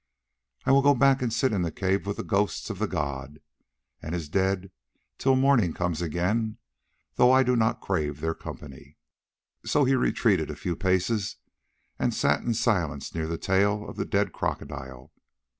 I will go back and sit in the cave with the ghosts of the god and his dead till the morning comes again, though I do not crave their company." So he retreated a few paces and sat in silence near the tail of the dead Crocodile.